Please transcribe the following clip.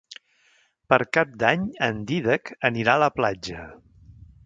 Per Cap d'Any en Dídac anirà a la platja.